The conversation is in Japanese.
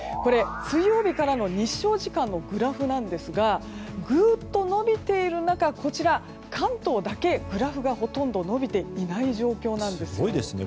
水曜日からの日照時間のグラフなんですがぐーっと伸びている中、関東だけグラフがほとんど伸びていない状況なんです。